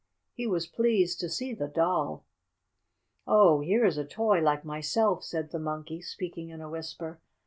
He was pleased to see the Doll. "Oh, here is a toy like myself!" said the Monkey, speaking in a whisper.